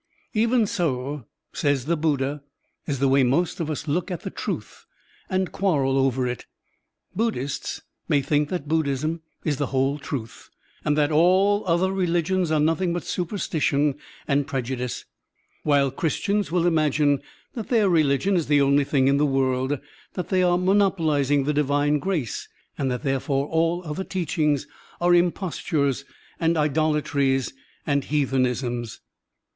Even so, says the Buddha, is the way most of us look at the truth and quarrel over it. Buddhists may think that Buddhism is the whole Digitized by Google 92 SERMONS OF A BUDDHIST ABBOT truth and that all other religions are nothing but superstition and prejudice; while Christians will imagine that their religion is the only thing in the world, that they are monopolizing the divine grace, and that therefore all other teach ings are impostures and idolatries and heathen isms.